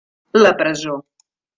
La presó.